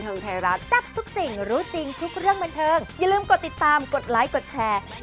เขายังจำเนื้อไม่ได้อยู่เลย